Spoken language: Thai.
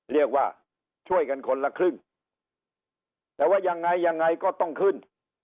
เรียกว่าช่วยกันคนละครึ่งแต่ว่ายังไงยังไงก็ต้องขึ้น